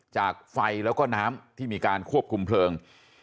จากไฟแล้วก็น้ำที่มีการควบคุมเพลิง